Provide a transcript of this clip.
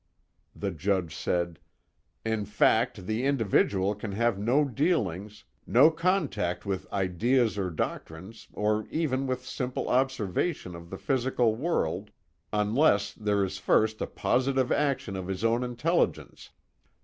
The Judge said: "In fact the individual can have no dealings, no contact with ideas or doctrines or even with simple observation of the physical world, unless there is first a positive action of his own intelligence.